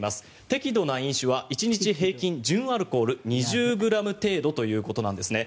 適度な飲酒は１日平均純アルコール２０ｇ程度ということなんですね。